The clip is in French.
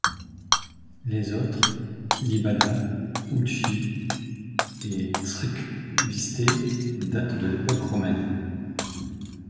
Les autres, Libada, Ouchi et Tsrkvisté, datent de l'époque romaine.